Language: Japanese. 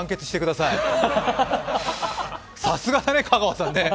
さすがだね、香川さんね。